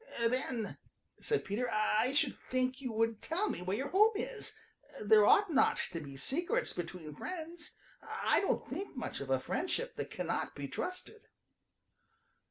"Then," said Peter, "I should think you would tell me where your home is. There ought not to be secrets between friends. I don't think much of a friendship that cannot be trusted."